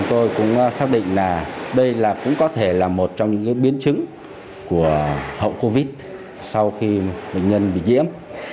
tôi cũng xác định là đây cũng có thể là một trong những biến chứng của hậu covid sau khi bệnh nhân bị nhiễm